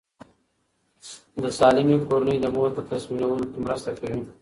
د سالمې کورنۍ د مور په تصمیم نیول کې مرسته کوي.